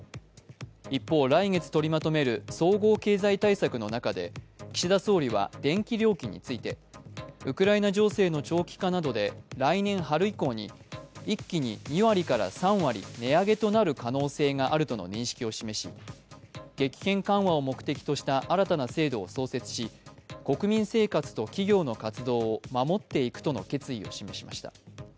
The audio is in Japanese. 一方、来月取りまとめる総合経済対策の中で、岸田総理は電気料金についてウクライナ情勢の長期化などで来年春以降に一気に２割から３割値上げとなる可能性があるとの認識を示し激変緩和を目的とした新たな制度を創設し国民生活と企業の活動を守っていくとの決意を示しました。